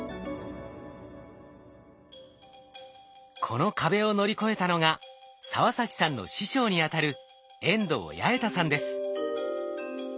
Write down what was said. この壁を乗り越えたのが澤崎さんの師匠にあたる遠藤弥重太さんです。